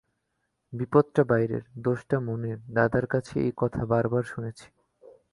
বিপদটা বাইরের, দোষটা মনের, দাদার কাছে এই কথা বার বার শুনেছি।